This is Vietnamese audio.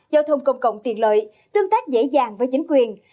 giao thông công cộng tiện lợi tương tác dễ dàng với chính quyền